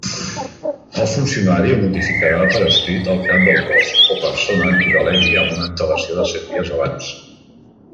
El funcionari ho notificarà per escrit al Cap del Cos o persona en qui delegui amb una antelació de set dies abans.